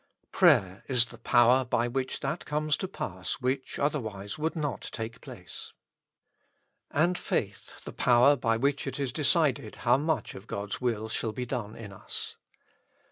Prayer is the power by which that comes to pass which otherwise would not take place. And faith, the power by which it is decided how much of God's will shall be done in us.